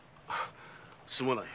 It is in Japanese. すまない。